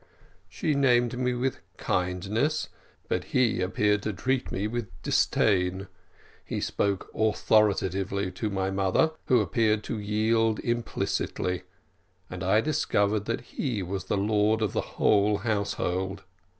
She named me with kindness, but he appeared to treat me with disdain; he spoke authoritatively to my mother, who appeared to yield implicitly, and I discovered that he was lord of the whole household.